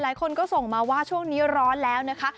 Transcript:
หลายคนก็ส่งมาว่าช่วงนี้ร้อนแล้วนะคะ